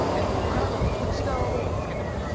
殻の内側をつけてました。